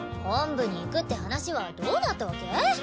本部に行くって話はどうなったわけ？